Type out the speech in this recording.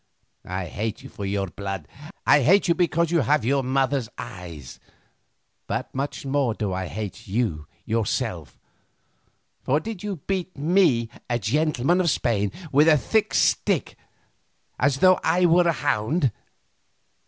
I hate you for your blood, I hate you because you have your mother's eyes, but much more do I hate you for yourself, for did you not beat me, a gentleman of Spain, with a stick as though I were a hound?